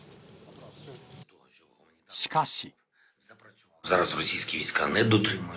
しかし。